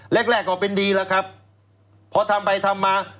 แรกแรกก็เป็นดีแล้วครับพอทำไปทำมา